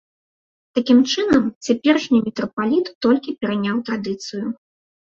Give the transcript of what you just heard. Такім чынам, цяперашні мітрапаліт толькі пераняў традыцыю.